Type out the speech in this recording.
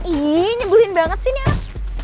ih nyebulin banget sih nih anak